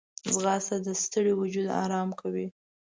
ځغاسته د ستړي وجود آرام کوي